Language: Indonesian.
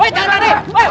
woi jangan lari